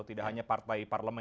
tidak hanya partai parlemen